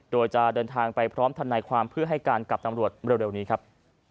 โดยจะเดินทางไปพร้อมทนายความเพื่อให้การกับตำรวจเร็วนี้ครับ